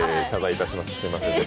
謝罪いたします。